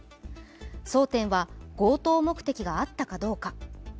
争点は、強盗目的があったかどうか。